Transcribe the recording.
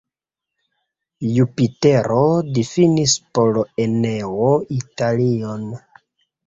Jupitero difinis por Eneo Italion.